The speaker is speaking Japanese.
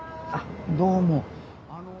どうも。